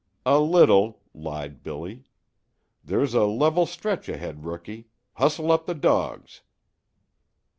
"A little," lied Billy. "There's a level stretch ahead, Rookie. Hustle up the dogs!"